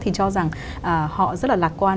thì cho rằng họ rất là lạc quan